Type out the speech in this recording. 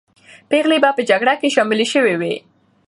پېغلې به په جګړه کې شاملې سوې وي.